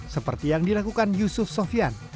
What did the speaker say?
seperti yang dilakukan yusuf sofian